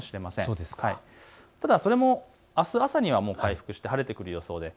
あす朝には回復して晴れてくる予想です。